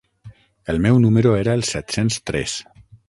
El meu número era el set-cents tres.